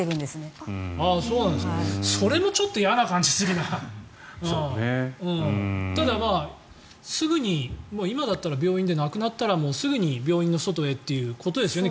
それはちょっと嫌な感じがするなただ、すぐに今だったら病院で亡くなったらもうすぐに病院の外へっていうことですよね